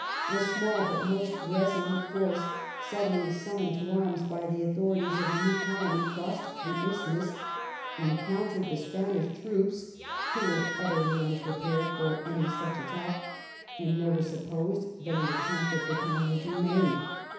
A small bnt most resolute force, sud denlj summoned to arms by the authorities of the new colony crossed the isthmus, encountered the Spanish troops, who were utterly unprepared for any such at tack and neyer supposed that an attempt of the kind would be made.